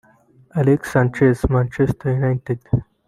Alexis Sanchez (Manchester United)